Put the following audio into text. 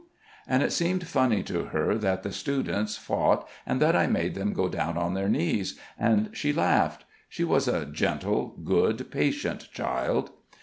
And it seemed funny to her that the students fought and that I made them go down on their knees, and she laughed. She was a gentle, good, patient child.